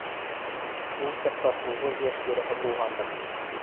Ул саҡта туғыҙ йәш тирәһе булғандыр.